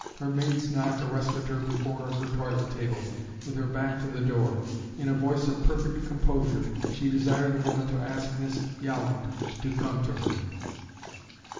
Her maid's knock arrested her before her toilet table, with her back to the door. In a voice of perfect composure, she desired the woman to ask Miss Yolland to come to her.